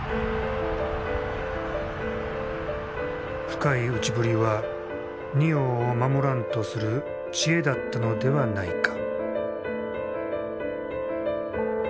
深い内刳りは仁王を守らんとする知恵だったのではないか。